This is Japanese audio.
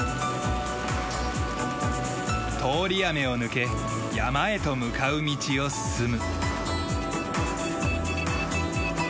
通り雨を抜け山へと向かう道を進む。